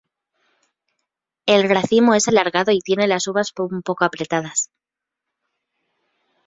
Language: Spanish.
El racimo es alargado y tiene las uvas poco apretadas.